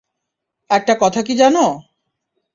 একটা কথা কী জানো?